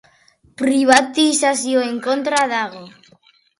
Pribatizazioen kontra dago.